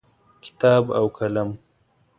کتاب او قلم